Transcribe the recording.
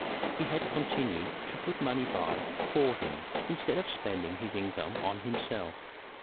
He had continued to put money by for him, instead of spending his income on himself.